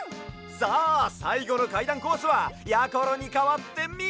さあさいごのかいだんコースはやころにかわってみもも！